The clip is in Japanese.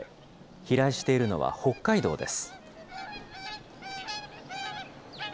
飛来しているのは北海道です。